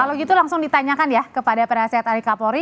kalau gitu langsung ditanyakan ya kepada periasa tariqa polri